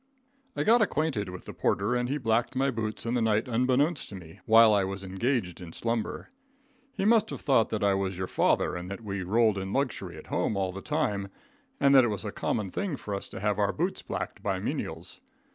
I got acquainted with the porter, and he blacked my boots in the night unbeknownst to me, while I was engaged in slumber. He must have thought that I was your father, and that we rolled in luxury at home all the time, and that it was a common thing for us to have our boots blacked by menials.